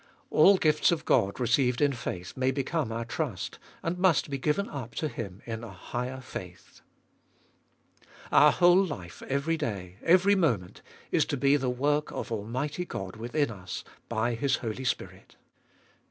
All gifts of God received in faith may become our trust, and must be giuen up to Him in a higher faith. 3. Our whole life every day, every moment, is to be the work of Almighty God within us by His holy Spirit.